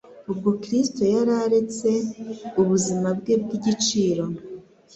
Ubwo Kristo yari aretse ubuzima bwe bw'igiciro,